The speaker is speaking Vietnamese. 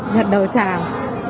gật đầu chào